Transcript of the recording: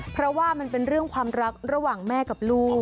เพราะว่ามันเป็นเรื่องความรักระหว่างแม่กับลูก